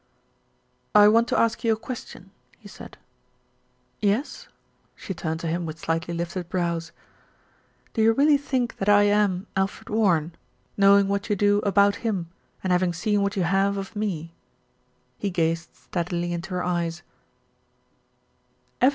"I want to ask you a question," he said. "Yes ?" She turned to him with slightly lifted brows. "Do you really think that I am Alfred Warren, knowing what you do about him, and having seen what you have of me?" He gazed steadily into her eyes.